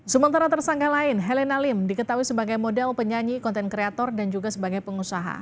sementara tersangka lain helena lim diketahui sebagai model penyanyi konten kreator dan juga sebagai pengusaha